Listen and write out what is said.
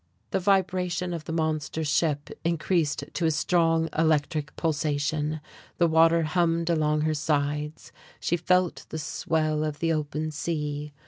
The vibration of the monster ship increased to a strong, electric pulsation, the water hummed along her sides, she felt the swell of the open sea.